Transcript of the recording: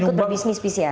dan ikut berbisnis pcr